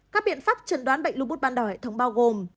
các biện pháp trần đoán bệnh lưu bút ban đảo hệ thống bao gồm